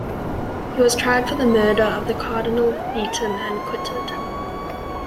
He was tried for the murder of Cardinal Beaton and acquitted.